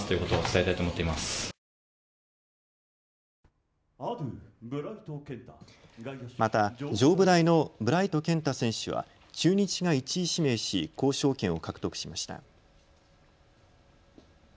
また上武大のブライト健太選手は中日が１位指名し交渉権を獲得しました。